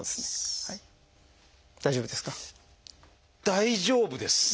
大丈夫ですか？